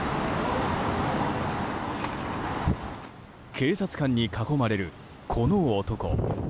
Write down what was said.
警察官に囲まれるこの男。